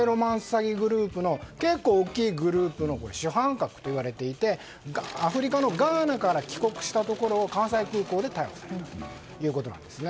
詐欺グループの結構大きいグループの主犯格といわれていてアフリカのガーナから帰国したところを関西空港で逮捕されたということです。